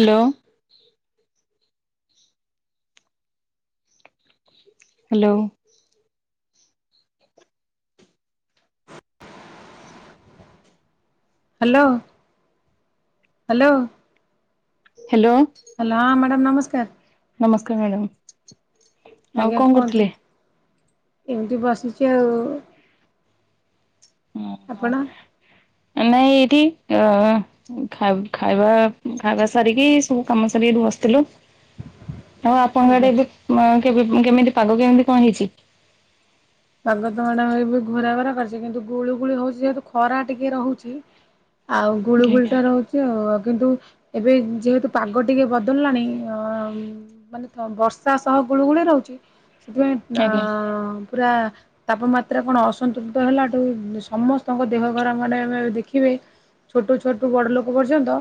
Hello. Hello. [inaudible] Hello hello. Hello. ହେଲା [unintelligible] madam ନମସ୍କାର। ନମସ୍କାର ମ୍ୟାଡ଼ାମ ଆଉ ଆଜ୍ଞା କଣ କୁହନ୍ତୁ। କରୁଥିଲେ? ଏମିତି ବସିଛି ଆଉ ଆପଣ? ଓହୋ ନାଇଁ ଏଇଠି ଖାଇ ଖାଇବା ଖାଇବା ସାରିକି ସବୁ କାମ ସାରିକି ଏଇଠି ବସିଥିଲୁ। ଆଉ ଆପଣଙ୍କ ଆଜ୍ଞା। ଆଡେ ଏବେ ଏବେ କେମିତି ପାଗ କେମିତି କଣ ହେଇଛି? ତ ପାଗ ମ୍ୟାଡାମ ଏବେ ଘୋରାଘୋରା କରିଛି କିନ୍ତୁ ଗୁଳୁ ଗୁଳିୁ ହଉଛି ଯେହେତୁ ଖରା ଟିକେ ରହୁଛି ଆଉ ଗୁଳୁ ଆଜ୍ଞା ଗୁଳିଟା ରହୁଛି ଆଉ କିନ୍ତୁ ଏବେ ଯେହେତୁ ପାଗ ଟିକେ ବଦଳିଲାଣି ଅ ମାନେ ବର୍ଷା ସହ ଗୁଳୁଗୁଳି ରହୁଛି ସେଥିପାଇଁ ଆଜ୍ଞା ଅଁ। ପୁରା ତାପମାତ୍ରା କଣ ଅସନ୍ତୁଳିତ ହେଲାଠୁ ସମସ୍ତଙ୍କ ଦେହଘର ମାନେ ଦେଖିବେ ଛୋଟ ଛୋଟୁ ବଡ ଲୋକ ପର୍ଯ୍ୟନ୍ତ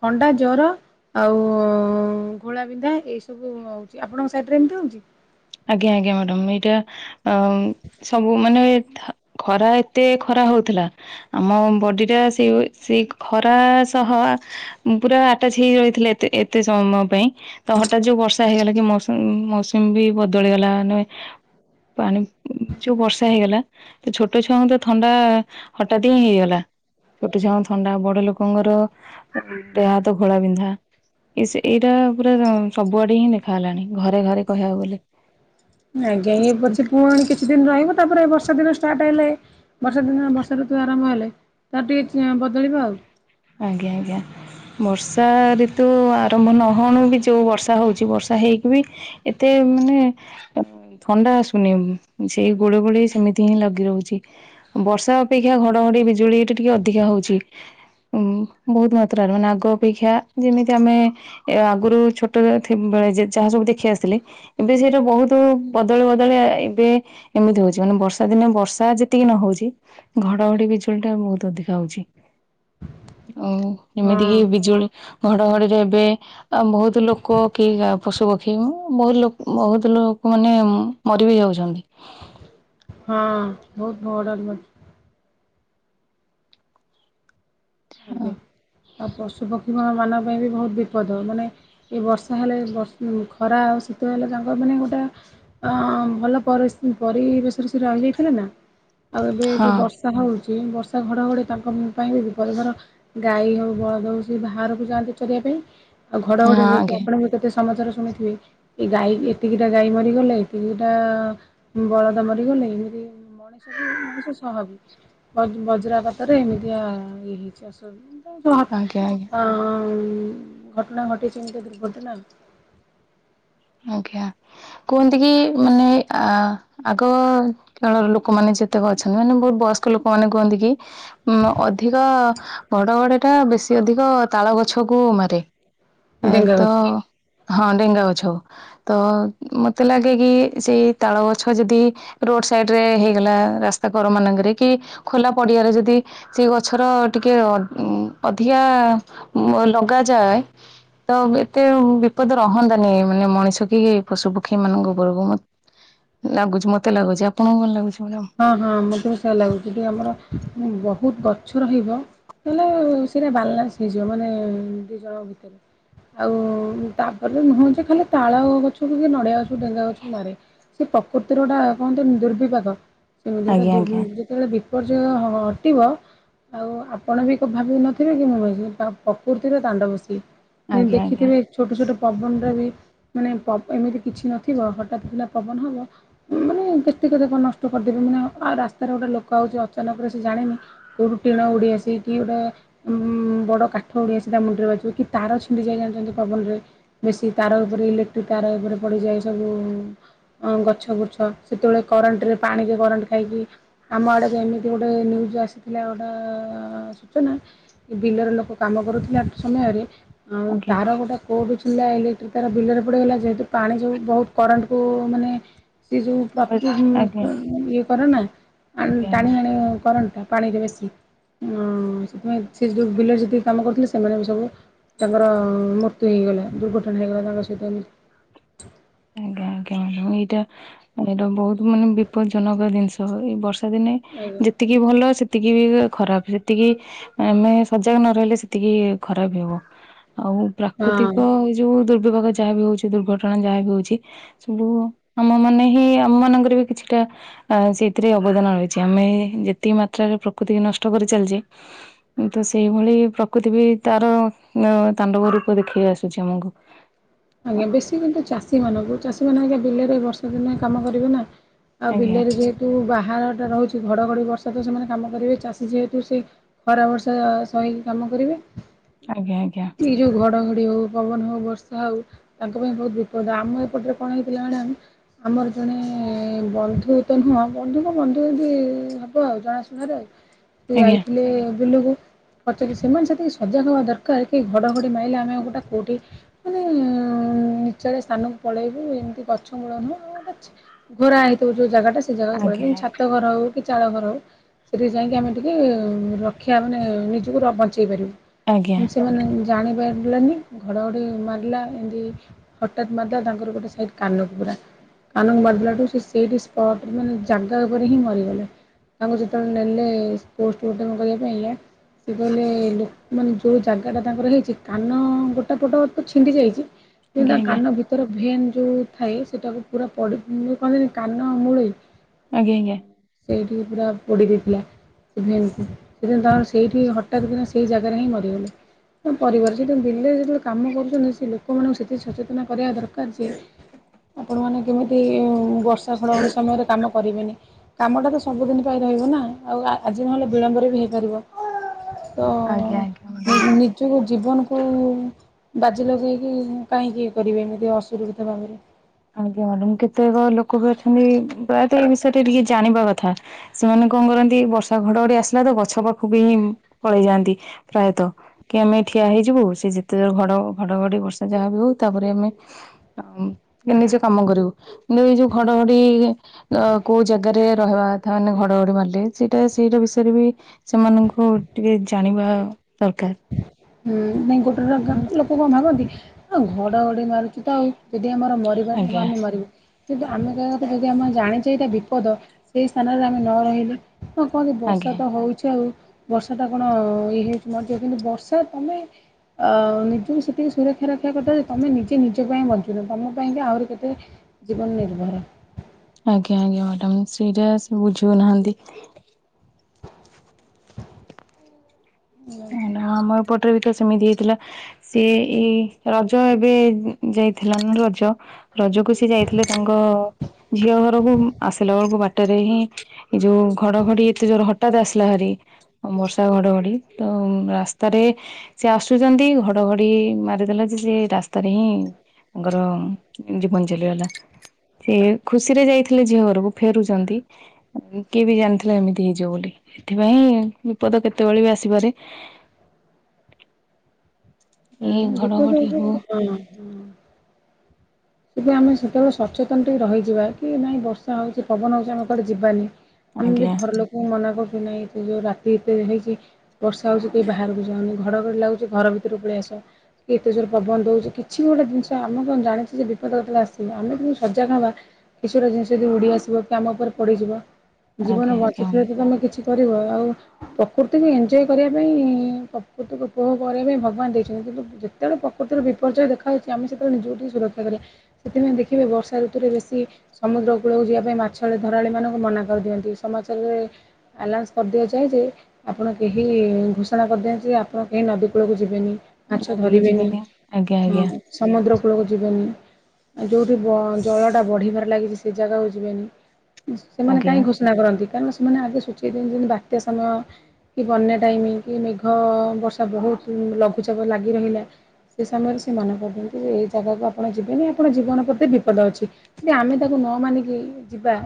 ଥଣ୍ଡା ଜର ଆଉ ଘୋଳାବିନ୍ଧା ଏଇ ସବୁ ହଉଛି ଆପଣଙ୍କ ସାଇଡରେ ଏମିତି ହଉଛି? ଆଜ୍ଞା ଆଜ୍ଞା ମ୍ୟାଡାମ ଏଇଟା ଆ ସବୁ ମାନେ ଖରା ଏତେ ଖରା ହଉଥିଲା ଆମ ବଡି ଟା ସେ ସେଇ ଖରା ସହ ପୁରା ଆଟାଚ ହେଇ ରହିଥିଲା ଏତେ ଏତେ ସମୟ ପାଇଁ ତ ହଠାତ୍ ଯୋଉ ବର୍ଷା ହେଇଗଲା କି ମୌସୁମ ମୌସୁମୀ ବି ବ ପଡ଼ିଗଲା ମାନେ ପାଣି ଯୋଉ ବର୍ଷା ହେଇଗଲା ତ ଛୋଟ ଛୁଆଙ୍କୁ ତ ଥଣ୍ଡା-ଆ ହଠାତ୍ ହିଁ ହେଇଗଲା। ଛୋଟ ଛୁଆଙ୍କୁ ଥଣ୍ଡା ବଡ ଲୋକଙ୍କର ଦେହ ହାତ ଘୋଳା ବିିନ୍ଧା ଇସ୍ ଏଇଟା-ଆ ପୁରା ରଅ ସବୁଆଡେ ହିଁ ଦେଖା ଗଲାଣି ଘରେ ଘରେ କହିଆକୁ ଗଲେ। ଆଜ୍ଞା ତ ଇଏ ସେଥି ପଛେ ପୁଣି କିଛି ଦିନ ରହିବ ତାପରେ ବର୍ଷା ଦିନ ଷ୍ଟାର୍ଟ ହେଲେ ଏ ବର୍ଷା ଦିନ ବର୍ଷା ଋତୁ ଆରମ୍ଭ ହେଲେ ତାର ଟିକେ ବଦଳିବ ଆଉ ଆଜ୍ଞା ଆଜ୍ଞା ବର୍ଷାଋତୁ ଆରମ୍ଭ ନହଉଣୁ ବି ଯୋଉ ବର୍ଷା ହଉଚି ବର୍ଷା ହେଇକି ବି ଏତେ ମାନେ ଥଣ୍ଡା ଆସୁନି ସେଇ ଗୁଳୁ ଗୁଳି ସେମିତି ହିଁ ଲାଗି ରହୁଛି ବର୍ଷା ଅପେକ୍ଷା ଘଡଘଡି ବିଜୁଳି ଏଇଟା ଟିକେ ଅଧିକା ହଉଚି। ଉମ ବହୁତ ମାତ୍ରାରେ ମାନେ ଆଗ ଅପେକ୍ଷା ଯେମିତି ଆମେ-ଏ ଆଗୁରୁ ଛୋଟ ବେଳେ ଯାହା ସବୁ ଦେଖି ଆସିଥିଲେ ଏବେ ସିଏ ଯୋଉ ବହୁତ ବଦଳି ବଦଳି ଆ ଏବେ ଏମିତି ହଉଛି ମାନେ ବର୍ଷା ଦିନେ ବର୍ଷା ଯେତିକି ନ ହଉଛି ଘଡଘଡି ବିଜୁଳି ଟା ବହୁତ ଅଧିକା ହଉଛି। ଓ ଏମିତି କି ହଁ ବିଜୁଳି ଘଡଘଡିରେ ଏବେ ବହୁତ ଲୋକ କି ପଶୁପକ୍ଷୀ ଇଁ ବହୁତ ଲୋକ୍ ବହୁତ ଲୋକ ମାନେ ମରି ବି ଯାଉଚନ୍ତି। ହଁ ବହୁତ [unintelligible] ହଁ ଆଜ୍ଞା। ଆଉ ପଶୁପକ୍ଷୀଙ୍କ ମାନଙ୍କ ପାଇଁ ବି ବହୁତ ବିପଦ ମାନେ ଏ ବର୍ଷା ହେଲେ ବର୍ଷ୍-ଖରା ଆଉ ଶୀତ ହେଲେ ତାଙ୍କର ମାନେ ଗୋଟେ ଆଁ-ଆ ଭଲ ପରିସ୍-ପରିବେଶରେ ସେ ରହିଯାଇଥିଲେ ନା। ଆଉ ଏବେ ହଁ ଯୋଉ ବର୍ଷା ହଉ କି ବର୍ଷା ଘଡ଼ଘଡି ତାଙ୍କ ପାଇଁ ବି ପରଥର ଗାଈ ହଉ ବଳଦ ହଉ ସିଏ ଭାଆରକୁ ଯାଆନ୍ତି ଚରିଆ ପାଇଁ। ଆଉ ଘଡ ଘଡିରେ ଦେଖି ଆଜ୍ଞା ଆପଣଙ୍କୁ କେତେ ସ୍ ସମାଚାର ଶୁଣିଥିବେ ଏ ଗାଈ ଏତିକିଟା ଗାଈ ମରିଗଲେ ଏତିକିଟା ବଳଦ ମରିଗଲେ ଏମିତି ମଣିଷ ବି ମଣିଷ ସହ ବି ବଜ୍ ବଜ୍ରପାତରେ ଏମିତିଆ ଏହି ଚାଷ [unintelligible] ଆଜ୍ଞା ଆଜ୍ଞା ଆଁ-ଆ ଉଁ ଘଟଣା ଘଟିଛି ଏମିତି ଦୁର୍ଘଟନା-ଆ ଆଜ୍ଞା କୁହନ୍ତି କି ମାନେ ଆ-ଆଗ-ଅ କାଳର ଲୋକମାନେ ଯେତେକ ଅଛନ୍ତି ମାନେ ବହୁତ ବୟସ୍କ ଲୋକମାନେ କୁହନ୍ତି କି ଉଁ-ଅଧିକ-ଅ ଘଡଘଡ଼ି ଟା ବେଶୀ ଅଧିକ ତାଳଗଛ କୁ ମାରେ। ଏ ଡେଙ୍ଗା ଘଟଣା ତ-ଅ ହଁ ଡେଙ୍ଗା ଗଛଉ ତ ମତେ ଲାଗେ କି ସେଇ ତାଳ ଗଛ ଯଦି ରୋଡ ସାଇଡ ରେ ହେଇଗଲା ରାସ୍ତା କର ମାନଙ୍କରେ କି ଖୋଲା ପଡିଆରେ ଯଦି ସେଇ ଗଛର-ଅ ଟିକେ ଅ-ଉମ୍-ଅଧିକା ଲଗାଯାଏ ତ ଏତେ ବିପଦ ରହନ୍ତାନି। ମାନେ ମଣିଷ କି-ଇ ପଶୁ ପକ୍ଷୀ ମାନଙ୍କ ଉପରକୁ ମତ୍-ଲାଗୁଛି ମତେ ଲାଗୁଛି ଆପଣଙ୍କୁ କଣ ଲାଗୁଛି? ମ୍ୟାଡ଼ାମ? ହଁ ହଁ ମତେ ବି ସେଇୟା ଲାଗୁଛି କି ଆମର ମ-ବ ବହୁତ ଗଛ ରହିବ ତାହେଲେ-ଏ ସେଇଟା ବାଲାନ୍ସ ହେଇଯିବ ମାନେ-ଏ ଦି ଜଣଙ୍କ ଭିତରେ ଆଉ-ଉ ତାପରେ ନୁହଁ ଯେ ଖାଲି ତାଳ ଗଛକୁ କି ନଡିଆ ଗଛକୁ ଡେଙ୍ଗା ଗଛକୁ ମାରେ ସେ ପ୍ରକୃତିର ଟା କହନ୍ତିନି ଦୁର୍ବିପାକ। ସେମିତି ଗୋଟେ ଆଜ୍ଞା ଦୁର୍-ଉଁ ଆଜ୍ଞା ଯେତେବେଳେ ବିପର୍ଯ୍ୟୟ ହ-ହ ଟିବ ଆଉ ଆପଣ ବି କ-ଭାବି ନଥିବେ କି ମୁଁ ଭାବି ତାକ ପ୍ରକୃତିର ତାଣ୍ଡବ ସିଏ। ନି ଆଜ୍ଞା ଆଜ୍ଞା ଦେଖିଥିବେ ଛୋଟ ଛୋଟ ପବନରେ ବି ମାନେ ପବ୍-ଏମିତି କିଛି ନଥିବ ହଠାତ୍ କିନା ପବନ ହବ ମ-ମାନେ-ଏ ଯେତିକତକ ନଷ୍ଟ କରିଦେବେ ମନାଉ ଆଉ ରାସ୍ତାରେ ଗୋଟେ ଲୋକ ଆଉଚି ଅଚାନକରେ ସେ ଜାଣନି କୋଉଠୁ ଟିଣ ଉଡ଼ିଆସି କି ଗୋଟେ ଉମ ବଡ଼ କାଠ ଉଡ଼ି ଆସି ତା ମୁଣ୍ଡରେ ବାଜିବ କି ତାର ଛିଣ୍ଡି ଯାଇ ଜାଣିଛନ୍ତି ପବନରେ, ବେଶୀ ତାର ଉପରେ ଇଲେକ୍ଟ୍ରିକ ତାର ଉପରେ ପଡିଯାଏ ସବୁ-ଉଁ ଅଁ-ଗଛ ଗୁର୍ଚ୍ଛ ସେତେବେଳେ କରେଣ୍ଟରେ ପାଣିରେ କରେଣ୍ଟ ଖାଇକି ଆମ ଆଡ଼େକୁ ଏମିତି ଗୋଟେ-ଏ ନ୍ୟୁଜ୍ ଆସିଥିଲା ଗୋଟେ-ଏଁ ସୂଚନା ବିଲର ଲୋକ କାମ କରୁଥିଲା ତ୍-ସମୟରେ ଆଉ ତାର ଗୋଟା କୋଉଠୁ ଛି ପିଲା ଇଲେକ୍ଟ୍ରି ତାର ବିଲରେ ପଡିଗଲା ଯେହେତୁ ପାଣି ଯଉ ବହୁତ କରେଣ୍ଟ୍ ଓ ମାନେ ସିଏ ଯୋଉ ଆଜ୍ଞା [unintelligible] ଆଜ୍ଞା ଇଏ କର ନା ଆ ଆଜ୍ଞା ଆଜ୍ଞା ଟାଣି ହାଣି କରନ ପାଣିରେ ବେଶୀ ସେଥିପାଇଁ ସେ ଯୋଉ ବିଲର ଯେତିକି କାମ କରୁଥିଲେ ସେମାନେ ବି ସବୁ ତାଙ୍କର ମୃତ୍ୟୁ ହେଇଗଲା ଦୁର୍ଘଟଣା ହେଇଗଲା ତାଙ୍କ ସହିତ ଏମିତି ଆଜ୍ଞା ଆଜ୍ଞା ମ୍ୟାଡ ଏଇଟା ଏଇଟା ବହୁତ ମାନେ ବିପଦଜନକ ଜିନିଷ ଏଇ ବର୍ଷ ା ଦିନେ ଆଜ୍ଞା ଯେତିକି ଭଲ ସେତିକି ବି ଖରାପ ସେତିକି ଆମେ ସଜାଗ ନ ରହିଲେ ସେତିକି ଖରାପ ହବ ଆଉ ହଁ ପ୍ରାକୃତିକ ଯୋଉ ଦୁର୍ ବିଭାଗ ଯାହା ହଉ ଦୁର୍ଘଟଣା ଯାହା ବି ହଉଛି ସବୁ ଆମ ମାନେ ହିଁ ଆମ ମାନଙ୍କରେ ବି କିଛିଟା ସେଇଥିରେ ଅବଦାନ ରହିଛି ଆମେ ଯେତିକି ମାତ୍ରାରେ ପ୍ରକୃତି ନଷ୍ଟ କରି ଚାାଲିଛେ ତ ସେଇଭଳି ପ୍ରକୃତି ବି ତାର ତାଣ୍ଡବ ରୂପ ଦେଖେଇ ଆସୁଛି ଆମକୁ ଆଜ୍ଞା ବେଶୀ କିନ୍ତୁ ଚାଷୀ ମାନଙ୍କୁ ଚାଷୀ ସେମାନେ ଆଜ୍ଞା ବିଲରେ ବର୍ଷ ଦିନ କାମ କରିବେ ନା ଆଉ ଆଜ୍ଞା ବିଲରେ ଯେହେତୁ ବା ବାହାଟା ରହୁଛି ଘଡ଼ଘଡ଼ି ବର୍ଷା ତ ସେମାନେ କାମ କରିବେ ଚାଷୀ ଯେହେତୁ ସେ ଖରା ବର୍ଷା ସହହିକି କାମ କରିବେ ଆଜ୍ଞା ଆଜ୍ଞା ହଡ଼ି ହଉ ପବନ ହେଉ ବର୍ଷା ହେଉ ତାଙ୍କ ପାଇଁ ବହୁତ ବିପଦ ଆମ ଏପଟରେ କଣ ହେଇଥିଲା ମ୍ୟାଡାମ ଆମର ଜଣେ ବନ୍ଧୁ ତ ନୁହଁ ବନ୍ଧୁଙ୍କ ବନ୍ଧୁ ଏି ହବ ଆଉ ଜଣାଶୁଣାରେ ଆଉ ସେ ଆଜ୍ଞା ଯାଇଥିଲେ ବିଲକୁଚ ସେମାନେ ସେଥି ସଜାଗ ହେବା ଦରକାର କି ଘଡ଼ଘଡ଼ି ମାଇଲେ ଆମେ ଗୋଟେ କେଉଁଠି ମାନେ ଉ ନିଚ ରେ ସ୍ଥାନକୁ ପଳେଇବୁ ଏମିତି ଗଛ ମୂଳ ନୁହଁ ଆଉ ଗୋଟେ ଘରା ହେଇଥିବ ଯୋଉ ଜାଗାା ସେ ଜାଗା ଆଜ୍ଞା ପଳିବ ଛାତ ଘର ହଉ କି ଚାଳ ଘର ସେଠି ଯାଇକି ଆମେ ଟିକେ ରକ୍ଷା ମାନେ ନିଜକୁ ବଞ୍ଚେଇ ପାରିବୁ। ଆଜ୍ଞା। କିନ୍ତୁ ସେମାନେ ଜାଣିପାରିଲାନି ଘଡ଼ଘଡ଼ି ମା ରିଲା ଏମତି ହଠାତ ମାରି ଦେଲା ତାଙ୍କର ଗୋଟେ ସାଇଡ କାନକୁ ପୁରା। କାନକୁ ମାରି ଦେଲାଠୁ ସେ ସେଇଠି ସ୍ପଟରେ ମାନେ ଜାଗା ଉପରେ ହିଁ ମରିଗଲେ। ତାଙ୍କୁ ଯେତେବେଳେ ନେଲେ ପୋଷ୍ଟମର୍ଟମ କରିବା ପାଇଁକା ସିଏ କହିଲେ ଇଲୋ ମାନେ ଯୋଉ ଜାଗା ଟା ତାଙ୍କର ହେଇଛି କାନ ଗୋଟେ ପଟ ଅଛି ଛିଣ୍ଡି ଯାଇଛି ଯେ ଆଜ୍ଞା ତା ଆଜ୍ଞା କାନ ଭିତର ଭେନ୍ ଯୋଉ ଥାଏ ସେଇଟାକୁ ପୁରା ପଡ଼ି ମୁଁ ଯୋଉ କହନ୍ତିନି କାନମୂଳେ ଆଜ୍ଞା ଆଜ୍ଞା। ସେଇଠି ପୁରା ପୋଡ଼ି ଦେଇଥିଲା ସେ ଭେନ୍ କୁ। ସେଦିନ ତାଙ୍କର ସେଇଠି ହଠାତ୍ କିନା ସେଇ ଜାଗାରେ ହିଁ ମରିଗଲେ। ତାଙ୍କ ପରିବାର ସେ ଯେତେବେଳେ ଦିଲ୍ଲୀରେ ଯେତେବେଳେ କାମ କରୁ ଲୋକମାନଙ୍କୁ ସେତିକି ସଚେତନ କରିବା ଦରକାର ଯେ ଆପଣ ମାନେ କେମିତି ବର୍ଷ ଆପଣ ଗୋଟେ ସମୟରେ କାମ କରିବେନି କାମଟା ତ ସବୁଦିନ ପାଇଁ ରହିବ ନା ଆଉ ଆଜି ନହେଲେ ବିଳମ୍ବରେ ବି ହେଇପାରିବ। ତ ଆଜ୍ଞା। ଆଜ୍ଞା ଆଜ୍ଞା ମ୍ୟାଡ଼ାମ। ନିଜକୁ ଜୀବନକୁ ବାଜି ଲଗେଇକି କାହିଁକି ଇଏ କରିବେ ଏମିତି ଅସୁରକ୍ଷିତ ଭାବରେ। ଆଜ୍ଞା ମ୍ୟାଡ଼ାମ। କେତେକ ଲୋକ ବି ଅଛନ୍ତି ପ୍ରାୟତଃ ଏ ବିଷୟରେ ଟିକେ ଟିକେ ଜାଣିବା କଥା। ସେମାନେ କଣ କରନ୍ତି ବର୍ଷା ଘଡଘଡି ଆସିଲା ତ ଗଛ ପାଖକୁ ବି ହିଁ ପଳେଇ ଯାଆନ୍ତି। ପ୍ରାୟତଃ କି ଆମେ ଠିଆ ହେଇଯିବୁ ସେ ଯେତେ ଜୋର୍ ଘଡ଼ ଘଡଘଡି ବର୍ଷା ଯାହାବି ହଉ ତାପରେ ଆମେ ନିଜେ କାମ କରିବୁ। କିନ୍ତୁ ଏଇ ଯୋଉ ଘଡଘଡି କୋଉ ଜାଗାରେ ରହିବା କଥା ମାନେ ଘଡଘଡି ମାରିଲେ ସେଇଟା ସେଇଟା ବିଷୟରେ ବି ସେମାନଙ୍କୁ ଟିକେ ଜାଣିବା ଦରକାର ହୁଁ ନାଇଁ ଗୋଟେ ଗୋଟା ଲୋକ କଣ ଭାବନ୍ତି? ଆ ଘଡଘଡି ମାରୁଛି ତ ଆଉ। ଯଦି ଆମର ମରିବାର ଥିବ ଆଜ୍ଞା ଆମେ ମରିବୁ କିନ୍ତୁ ଆମେ କହିବା କଥା ଯଦି ଆମ ଜାଣିଛି ଏଇଟା ବିପଦ। ସେଇ ସ୍ଥାନରେ ଆମେ ନ ରହିଲେ। ହଁ କହନ୍ତି ଆଜ୍ଞା। ବର୍ଷା ତ ହଉଛି ଆଉ ବର୍ଷା ଟା କଣ ଇଏ ହେଇଛି ମ ଯେ କିନ୍ତୁ ବର୍ଷା ତମେ ଅ ନିଜକୁ ସେତିକି ସୁରକ୍ଷା ରଖିବା କଥା ଯେ ତମେ ନିଜେ ନିଜ ପାଇଁ ବଞ୍ଚୁନ ତମପାଇଁ ବି ଆହୁରି କେତେ ଜୀବନ ନିର୍ଭର। ଆଜ୍ଞା ଆଜ୍ଞା ମ୍ୟାଡାମ। ସେଇଟା ସେ ବୁଝୁ ବି ନାହାଁନ୍ତି। ନାଁ ଆମ ପଟରେ ବି ତ ସେମିତି ହେଇଥିଲା। ସିଏ ଏଇ ରଜ ଏବେ ଯାଇଥିଲା ରଜ ରଜକୁ ସିଏ ଯାଇଥିଲେ ତାଙ୍କ ଝିଅ ଘରକୁ ଆସିଲା ବେଳକୁ ବାଟରେ ହିଁ ଏଇ ଯୋଉ ଘଡଘଡି ଏତେ ଜୋର ହଠାତ ଆସିଲା ହାରି ବର୍ଷା ଘଡଘଡି ରାସ୍ତାରେ ସେ ଆସୁଚନ୍ତି ଘଡଘଡି ମାରିଦେଲା ଯେ ସେ ରାସ୍ତାରେ ହିଁ ତାଙ୍କର ଜୀବନ ଚାଲିଗଲା। ସେ ଖୁସିରେ ଯାଇ ଥିଲେ ଝିଅ ଘରକୁ ଫେରୁଚନ୍ତି କିଏ ବି ଜାଣିଥିଲା ଏମିତି ହେଇଯିବ ବୋଲି। ସେଥିପାଇଁ ବିପଦ କେତେବେଳେ ବି ଆସେ ଆସିପାରେ। ହୁଁ ଏଇ ବିପଦ ଘଡଘଡି ହଉ ଏବେ ହଁ ହଁ। ସେବେ ଆମେ ସେତେବେଳେ ସଚେତନ ଟିକେ ରହିଯିବା କି ନାଇଁ ବର୍ଷା ହଉଛି ପବନ ହଉଛି ଆମେ କୁଆଡେ ଯିବାନି। ଆମେ ବି ଆଜ୍ଞା ଘରଲୋକଙ୍କୁ ମନା କରୁ ନାଇ ଏତେ ଯୋଉ, ରାତି ଏତେ ହେଇଛି, ବର୍ଷା ହଉଛି ୲କେହି, ବାହାରକୁ ଯାଅନି ୲ଘଡ, ଘଡି ଲାଗୁଛି ୲ ଘରଭିତରୁ ପଳେଇ ଆସ ୲ କି ଏତେ ଯୋରେ ପବନ ଦୋଉଛି, କିଛି ବି ଗୋଟେ ଜିନିଷ, ଆମେ କଣ, ଜାଣିଛୁ ଯେ ଯେତେବେଳେ, ତମେ ଆସିବ ଆମେ' ସଜାଗହ ହବା ୲କିଛି ଗୋଟେ, ଜିନିଷ ଯଦି ଉଡି, ଆସିବ? କି, ଆମ ଉପରେ ପଡିିଯିବ? ଜୀବନ, ଆଜ୍ଞା ବଞ୍ଚି ଥିଲେ ତ, ଆଜ୍ଞା ତମେ କିଛି କରି ଥିବ, ଆଉ' ପ୍ରକୃତିକୁ ଏଞ୍ଜୟ୍ କରିବା ପାଇଁ, ପ୍ରକୃତିକୁ ଉପଭୋଗ କରିବା ପାଇଁ, ଭଗବାନ ଦେଇଛନ୍ତି ୲ କିନ୍ତୁ, ଯେତେବେଳେ ପ୍ରକୃତିର ବିପର୍ଯ୍ୟୟ ଦେଖାାଯାଉଛି, ଆମେ ସେତେବେଳେ, ନିଜକୁ ଟିକେ ସୁରକ୍ଷା, କରିବା । ସେଥିପାଇଁ, ଦେଖିବେ ବର୍ଷା ଋତୁରେ, ବେଶୀ ସମୁଦ୍ର କୂଳକୁ ଯିବା ପାଇଁ, ମାଛଳି ଧରାଳିମାନଙ୍କୁ ମନା କରିଦିଅନ୍ତି ୲ସମାଚାରରେ, ଆଲାନ୍ସ କରିଦିଆଯାଏ, ଯେ ଆପଣ କେହି ଘୋଷଣା କରିଦିଅନ୍ତି, ଯେ ଆପଣ କେହି ନଦୀ କୂଳକୁ ଯିବେନି । ମାଛ ଭାବିକି ଧରିବେନି ଯିବେନି ଆଜ୍ଞା ଆଜ୍ଞା ୲ହଁ, ସମୁଦ୍ର କୁ କୂଳ, ଯିବନି ୲ ଆଉ' ଯୋଉଠି ବ--ଜଳଟା ବଢିବାରେ ଲାଗିଛି, ସେ ଜାଗାକୁ ଯିବେନି । ସେମାନେ ଆଜ୍ଞା। କାହିଁ, ଘୋଷଣା କରନ୍ତି? କାରଣ ସେମାନେ ଆଗେ ସୂଚେଇ, ଦିଅନ୍ତି ୲ଯେମିତି, ବାତ୍ୟା ସମୟ, କି ବନ୍ୟା ଟାଇମ, କି ମେଘ ବର୍ଷା, ବହୁତ ଲଘୁଚାପ ଲାଗି ରହିଲା ୲ସେ ସମୟରେ, ସେମାନେ କରିଦଛନ୍ତି, ଯେ ଏ ଜାଗାକୁ ଆପଣ ଯିବେନି । ଆପଣ ଜୀବନ, ପ୍ରତି ବିପଦ ଅଛି। ଯଦି ଆମେ' ତାକୁ ନ ମାନିକି ଯିବା।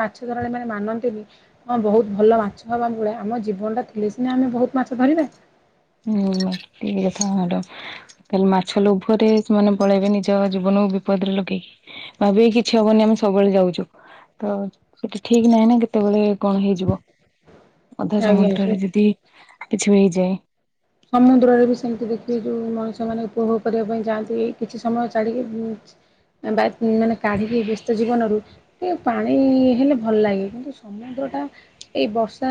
ମାଛଧରାଳିମାନେ, ମାନନ୍ତିନି। ହଁ, ବହୁତ ଭଲ ମାଛ ହବା ଭଳେ, ଆମ ଜୀବନଟା ଥିଲେ ସିନା ଆମେ' ବହୁତ ମାଛ ଧରିବା। ହୁଁ, ଟିକେ କଥା ମ୍ୟାଡ- ତାହଲେ, ମାଛ ଲୋଭରେ ସେମାନେ ପଳେଇବେ। ନିଜ ଜୀବନକୁ, ବିପଦରେ ଲଗେଇକି ଭାବି କିଛି ହବନି। ଆମେସବୁବେଳେ ଯାଉଛୁ, ତ ସେଠି ଠିକ ନାହିଁ ନା କେତେବେଳେ କଣ, ହେଇଯିବ? ଅଧା ଆଜ୍ଞା ସମୁଦ୍ରରେ, ଯଦି କିଛି ହେଇଯାଏ? ସମୁଦ୍ରରେ, ବି ସେମିତି ଦେଖିବେ। ଯୋଉ ମଣିଷମାନେ, ଉପଭୋଗ କରିବା ପାଇଁ ଯାଆନ୍ତି । କିଛି ସମୟ, ଛାଡ଼ିକି ବା ମାନେ କାଢିକି, ବ୍ୟସ୍ତ ଜୀବନରୁ ଟିକେ, ପାଣିହେଲେ ଭଲଲାଗେ, କିନ୍ତୁ ସମୁଦ୍ରଟା, ଏଇ ବର୍ଷା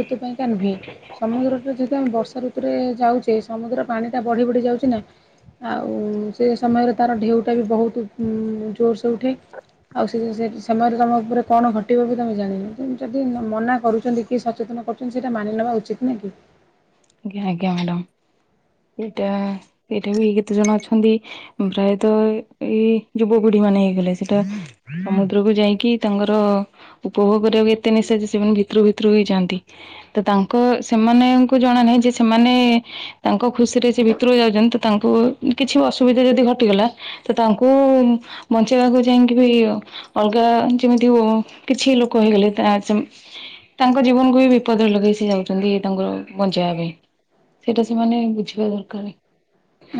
ଋତୁ ପାଇଁକା, ନୁହେଁ ।ସମୁଦ୍ରଟା ଯେତୁ ଆମେ ବର୍ଷାଋତୁ ସେ ଯାଉଛି। ସମୁଦ୍ର ପାଣିଟା ବଢି, ବଢି ଯାଉଛି ନା 'ଆଉ ସେ ସମୟରେ, ତାର ଢେଉ ଟା ବି ବୋହୁତ୍ ଉଁ ଜୋରସେ ଉଠେ 'ଆଉ ସେ ସମୟରେ, ତମ ଉପରେ କଣ, ଘଟିବ ବି ତମେ ଜାଣିନ। ଯଦି ମନା କରୁଛନ୍ତି, କି ସଚେତନ କରୁଛନ୍ତି, ସେଇଟା ମାନି ନେବା ଉଚିତ୍, ନା କି । ଆଜ୍ଞା, ଆଜ୍ଞା ମ୍ୟାଡାମ। ଏଟା, ଏଇଟା ବି କେତେ ଜଣ ଅଛନ୍ତି, ପ୍ରାୟତଃ ଏଇ ଯୁବପୁଢି ମାନେ, ହେଇଗଲେ ।ସେଟା ସମୁଦ୍ରକୁୁ ଯାଇକି ତାଙ୍କର ଉପଭୋଗ କରିବାକୁ ଏ ଏତେ ନିଶା ଯେ, ସେମାନେ ଭିତରୁ, ଭିତରୁ ହେଇଯାଆନ୍ତି ।ତ ତାଙ୍କ ସେମାନେ ଙ୍କ ମାନେ, ଯେ ସେମାନେ ତାଙ୍କ ଖୁସିରେ, ସେ ଭିତରୁକୁ ଯାଉଛନ୍ତି। ତ ତାଙ୍କୁ କିଛି ଅସୁବିଧା ଯଦି ଘଟିଗଲା। ତ, ତାଙ୍କୁ ବଞ୍ଚେଇବାକୁ ଯାଇକି ବି, ଅଲଗା ଯେମିତି କିଛି ଲୋକ ହେଇଗଲେ, ତାଙ୍କ ଜୀବନକୁ ବି ବିପଦରେ ଲଗେଇ ଯାଉଛନ୍ତି ତାଙ୍କର। ଯା, ପାଇଁ ।ସେଇଟା ସେମାନେ ବୁଝିବା, ଦରକାର ।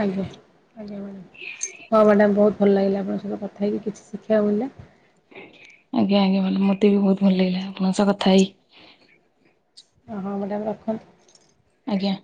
ଆଜ୍ଞା ଆଜ୍ଞା ମ୍ୟାଡ଼ାମ୍ ହଁ ମ୍ୟାଡ଼ାମ ବହୁତ ଭଲ ଲାଗିଲା, ଆପଣଙ୍କ ସହିତ କଥା, ହେଇକି ।କିଛି ଶିଖିବାକୁ, ମିଳିଲା। ଆଜ୍ଞା, ଆଜ୍ଞା ମାଡାମ୍ । ମତେ ବି ବୋହୁତ୍, ଭଲ ଲଗିଲା ।ଆପଣଙ୍କ ସହ, କଥା ହେଇକି । କ ଆଜ୍ଞା।